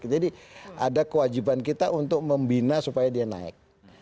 jadi ada kewajiban kita untuk membina supaya dia naik